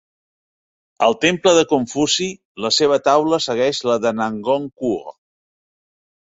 Al Temple de Confuci, la seva taula segueix la de Nangong Kuo.